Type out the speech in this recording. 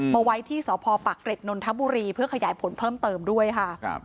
มาไว้ที่สพปักเกร็ดนนทบุรีเพื่อขยายผลเพิ่มเติมด้วยค่ะ